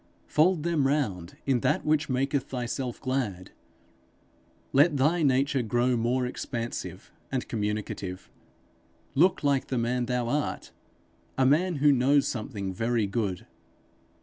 Fold them round in that which maketh thyself glad. Let thy nature grow more expansive and communicative. Look like the man thou art a man who knows something very good.